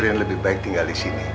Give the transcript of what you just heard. bu iryen lebih baik tinggal disini